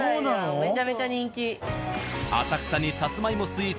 めちゃめちゃ人気。